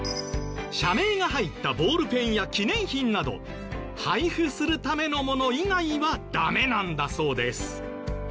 社名が入ったボールペンや記念品など配布するためのもの以外はダメなんだそうです。